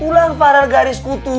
pulang farel garis kutu